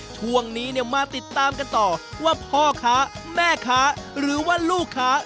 ช่วงนี้เนี่ยมาติดตามกันต่อว่าพ่อค้าแม่ค้าหรือว่าลูกค้า